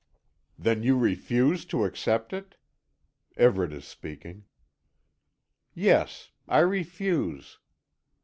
"Then you refuse to accept it?" Everet is speaking. "Yes. I refuse."